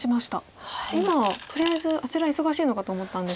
今とりあえずあちら忙しいのかと思ったんですが。